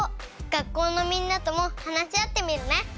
学校のみんなとも話し合ってみるね。